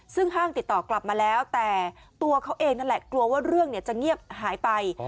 ซึ่งห้างติดต่อกลับมาแล้วแต่ตัวเขาเองนั่นแหละกลัวว่าเรื่องจะเงียบหายไป